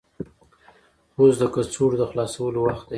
اوس د کڅوړو د خلاصولو وخت دی.